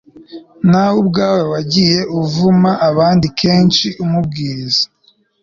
nawe ubwawe wagiye uvuma abandi kenshi Umubwiriza